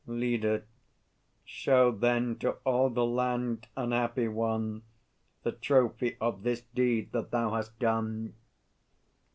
LEADER. Show then to all the land, unhappy one, The trophy of this deed that thou hast done!